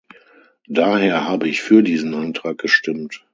Daher habe ich für diesen Antrag gestimmt.